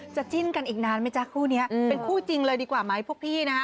จิ้นกันอีกนานไหมจ๊ะคู่นี้เป็นคู่จริงเลยดีกว่าไหมพวกพี่นะฮะ